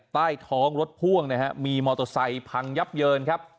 ใต้ท้องรถพ่วงนะฮะมีมอเตอร์ไซค์พังยับเยินครับ